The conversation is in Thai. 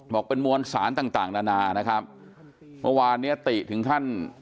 บอกเป็นมวลสารต่างต่างนานานะครับเมื่อวานเนี้ยติถึงขั้น